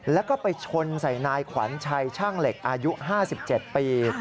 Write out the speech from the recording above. แล้วก็ไปชนใส่นายขวัญชัยช่างเหล็กอายุ๕๗ปี